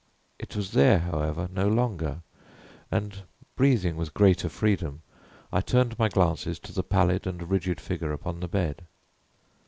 It was there, however, no longer; and breathing with greater freedom, I turned my glances to the pallid and rigid figure upon the bed.